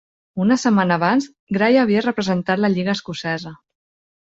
Una setmana abans, Gray havia representat la Lliga Escocesa.